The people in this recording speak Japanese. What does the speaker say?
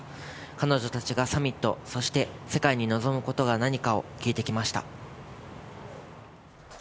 彼女たちがサミット、そして世界に望むことは何かを聞いてきました。